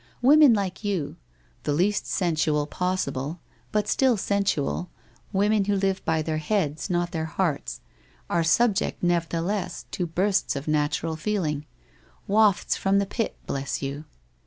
Women like you, the least sensual pos sible, but still sensual, women who live by their heads, not their hearts, are subject, nevertheless, to bursts of natural feeling, wafts from the pit — bless you!